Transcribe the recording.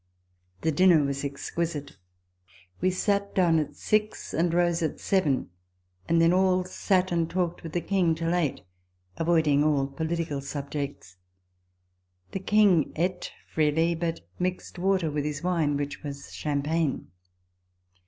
The dinner was exquisite. We sat down at six, and rose at seven ; and then all sat and talked with the King till eight, avoiding all political subjects. The King eat freely, but mixed water with his wine, which was champagne.